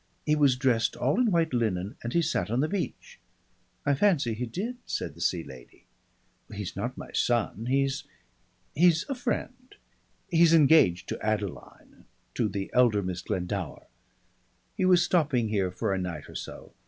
He was dressed all in white linen and he sat on the beach." "I fancy he did," said the Sea Lady. "He's not my son. He's he's a friend. He's engaged to Adeline, to the elder Miss Glendower. He was stopping here for a night or so.